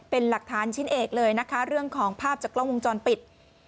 เป็นหลักฐานชิ้นเอกเลยนะคะเรื่องของภาพจากกล้องวงจรปิด